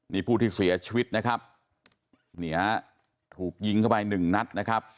นี่ผู้ที่เสียชีวิตนะครับเนี่ยถูกยิงเข้าไปหนึ่งนัดนะครับ